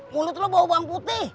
mulut lo bawa bawang putih